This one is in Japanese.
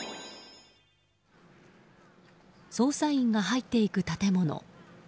捜査員が入っていく建物。